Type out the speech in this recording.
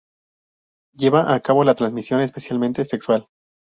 Lleva a cabo la transmisión, especialmente sexual.